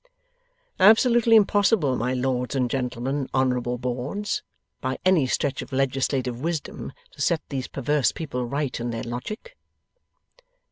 Absolutely impossible my Lords and Gentlemen and Honourable Boards, by any stretch of legislative wisdom to set these perverse people right in their logic?